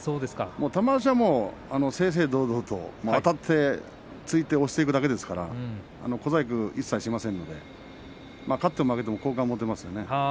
玉鷲はもう正々堂々とあたって突いて押していくだけですから小細工、一切しませんので勝っても負けても好感が持てますよね。